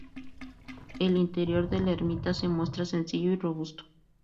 El interior de la ermita se muestra sencillo y robusto.